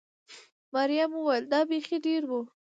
مريم وویل: دا بېخي ډېر و.